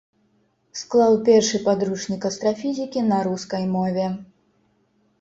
Склаў першы падручнік астрафізікі на рускай мове.